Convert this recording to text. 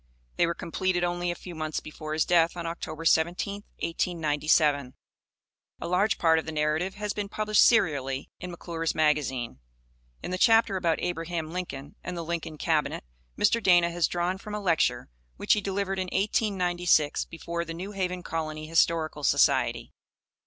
They were completed only a few months before his death on October 17, 1897. A large part of the narrative has been published serially in McClure's Magazine. In the chapter about Abraham Lincoln and the Lincoln Cabinet Mr. Dana has drawn from a lecture which he delivered in 1896 before the New Haven Colony Historical Society.